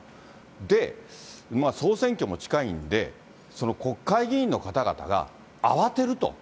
で、総選挙も近いんで、国会議員の方々が慌てると。